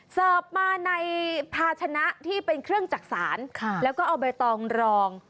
เสิร์ฟมาในภาชนะที่เป็นเครื่องจักษานแล้วก็เอาใบตองรอง